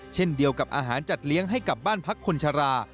เช่นเดียวกับอาหารจัดเลี้ยงให้กับบ้านพักคนชรา